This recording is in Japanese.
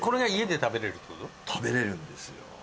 食べられるんですよ。